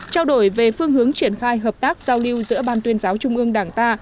trao đổi về phương hướng triển khai hợp tác giao lưu giữa ban tuyên giáo trung ương đảng ta